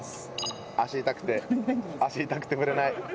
足痛くて足痛くて振れない。